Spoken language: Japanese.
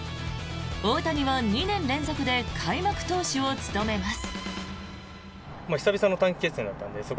大谷は２年連続で開幕投手を務めます。